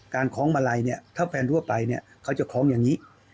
การค้องมาลัยถ้าแฟนรั่วไปเขาจะค้องอย่างนี้